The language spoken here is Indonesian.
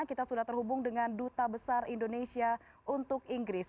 kita sudah terhubung dengan duta besar indonesia untuk inggris